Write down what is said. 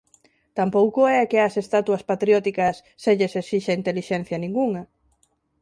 Tampouco é que ás estatuas patrióticas se lles esixa intelixencia ningunha.